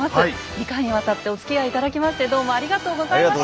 ２回にわたっておつきあい頂きましてどうもありがとうございました。